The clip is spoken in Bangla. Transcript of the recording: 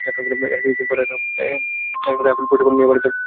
এর কিছুদিন পর একরাতে হাবীল পশুপাল নিয়ে বাড়ি ফিরতে বিলম্ব করেন।